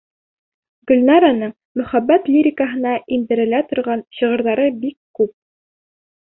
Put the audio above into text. Гөлнараның мөхәббәт лирикаһына индерелә торған шиғырҙары бик күп.